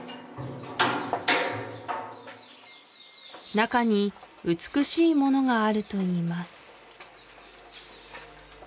中に美しいものがあるといいます